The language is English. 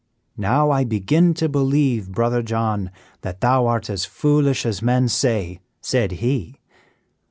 "'Now I begin to believe, Brother John, that thou art as foolish as men say,' said he.